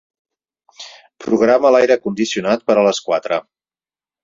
Programa l'aire condicionat per a les quatre.